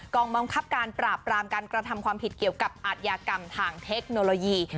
องบังคับการปราบปรามการกระทำความผิดเกี่ยวกับอาทยากรรมทางเทคโนโลยี